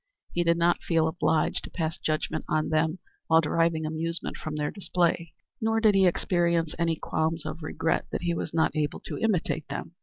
He did not feel obliged to pass judgment on them while deriving amusement from their display, nor did he experience any qualms of regret that he was not able to imitate them.